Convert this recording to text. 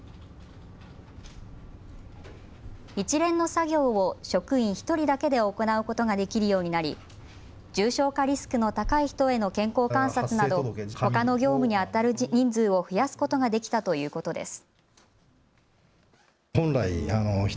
一連の作業を職員１人だけで行うことができるようになり重症化リスクの高い人への健康観察などほかの業務にあたる人数を増やすことができたということです。